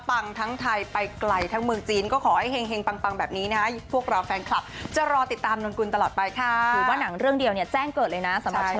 ปังทั้งไทยไปไกลทั้งเมืองจีนก็ขอให้เฮ็งปังแบบนี้นะฮะพวกเราแฟนคลับจะรอติดตามนวลกุลตลอดไปค่ะ